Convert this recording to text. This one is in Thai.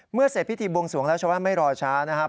เสร็จพิธีบวงสวงแล้วชาวบ้านไม่รอช้านะครับ